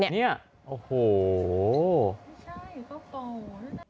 ไม่ใช่เขากล่อง